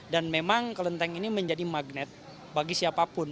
dan memang kelenteng ini menjadi magnet bagi siapapun